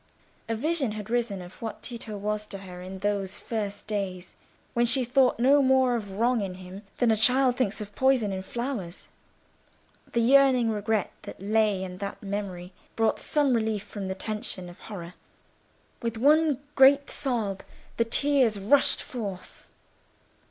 A vision had risen of what Tito was to her in those first days when she thought no more of wrong in him than a child thinks of poison in flowers. The yearning regret that lay in that memory brought some relief from the tension of horror. With one great sob the tears rushed forth.